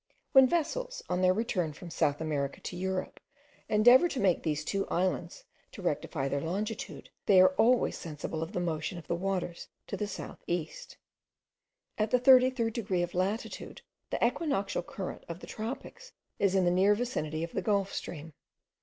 When vessels, on their return from South America to Europe, endeavour to make these two islands to rectify their longitude, they are always sensible of the motion of the waters to south east. At the 33rd degree of latitude the equinoctial current of the tropics is in the near vicinity of the Gulf stream.